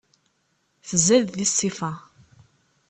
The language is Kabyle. Tzad di ṣṣifa.